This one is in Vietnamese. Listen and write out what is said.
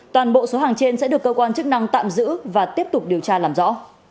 toàn bộ số hàng trên sẽ được cơ quan chức năng tạm giữ và tiếp tục điều tra làm rõ